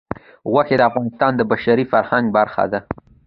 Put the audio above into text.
غوښې د افغانستان د بشري فرهنګ برخه ده.